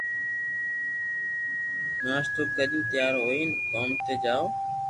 ناݾتو ڪرين تيار ھوئين ڪوم تي جاوُث